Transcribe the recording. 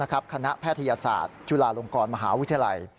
คณะแพทยศาสตร์จุฬาลงกรมหาวิทยาลัย